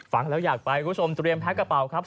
ฟังแล้วอยากไปคุณผู้ชมเตรียมแพ็คกระเป๋าครับ